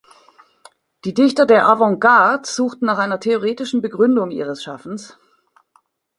Die Dichter der Avantgarde suchten nach einer theoretischen Begründung ihres Schaffens.